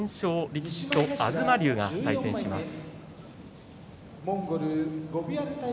力士と東龍が対戦します。